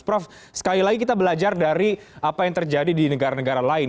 prof sekali lagi kita belajar dari apa yang terjadi di negara negara lain